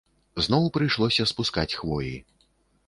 Зноў прыйшлося спускаць хвоі.